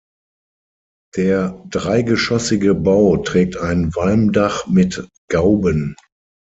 Der dreigeschossige Bau trägt ein Walmdach mit Gauben.